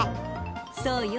そうよ。